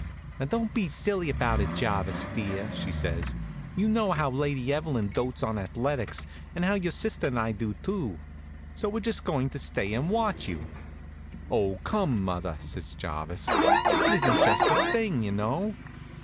"Now, don't be silly about it, Jarvis, dear," says she. "You know how Lady Evelyn dotes on athletics, and how your sister and I do, too. So we're just going to stay and watch you." "Oh, come, mother," says Jarvis; "it isn't just the thing, you know."